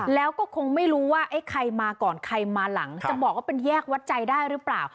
แล้วก็คงไม่รู้ว่าใครมาก่อนใครมาหลังจะบอกว่าเป็นแยกวัดใจได้หรือเปล่า